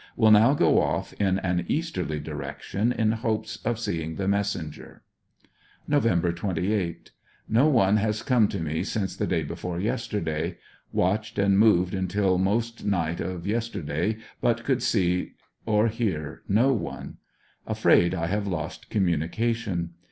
Will now go off m an easterly direction in hopes of seeing the messen ger. Nov. 28. — No one has come to me since day before yesterday. Watched and moved until most night of yesterday but could see or hear no one. Afraid I have lost communication.